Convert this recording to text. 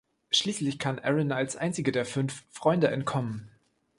Schließlich kann Erin als einzige der fünf Freunde entkommen.